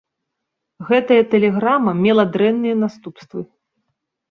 Гэтая тэлеграма мела дрэнныя наступствы.